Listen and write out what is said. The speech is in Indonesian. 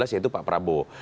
yaitu pak prabowo